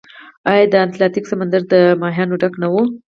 آیا د اتلانتیک سمندر د کبانو ډک نه و؟